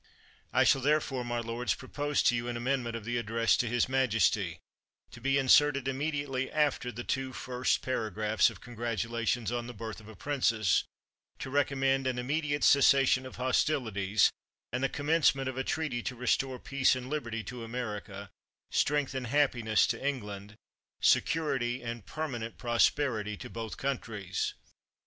I shall, therefore, my lords, propose to you an amendment of the address to his majesty, to be inserted immediately after the two first para graphs of congratulation on the birth of a prin cess, to recommend an immediate cessation of hostilities, and the commencement of a treaty to restore peace and liberty to America, strength and happiness to England, security and perma nent prosperity to both countries.